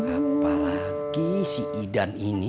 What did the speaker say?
apa lagi si idan ini